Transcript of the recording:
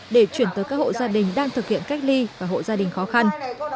để chuyển tới các hộ gia đình đang thực hiện cách ly và hộ gia đình khó khăn